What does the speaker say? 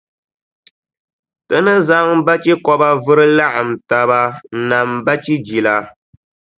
Ti ni zaŋ bachikɔba vuri laɣim taba n-nam bachijila.